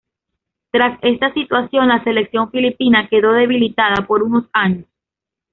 Tras esta situación la selección filipina quedó debilitada por unos años.